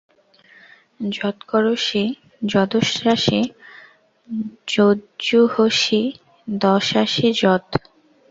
যৎ করোষি যদশ্নাসি যজ্জুহোষি দদাসি যৎ।